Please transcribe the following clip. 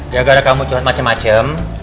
gak gara kamu curhat macem macem